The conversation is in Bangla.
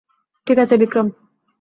ঠিক আছে, বিক্রম।